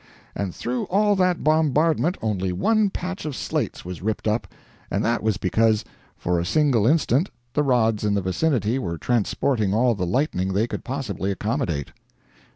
And through all that bombardment only one patch of slates was ripped up, and that was because, for a single instant, the rods in the vicinity were transporting all the lightning they could possibly accommodate.